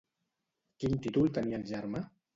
Quin títol tenia el germà?